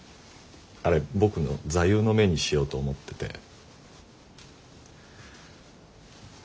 あれ僕の座右の銘にしようと思ってて。